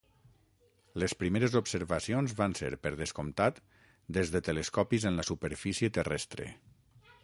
Les primeres observacions van ser, per descomptat, des de telescopis en la superfície terrestre.